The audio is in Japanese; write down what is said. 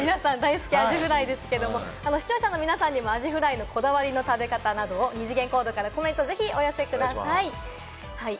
皆さん大好きアジフライですけれど、視聴者の皆さんにもアジフライのこだわりの食べ方など、二次元コードからコメントをぜひお寄せください。